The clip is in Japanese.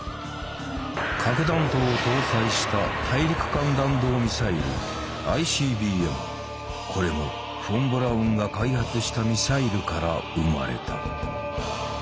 核弾頭を搭載したこれもフォン・ブラウンが開発したミサイルから生まれた。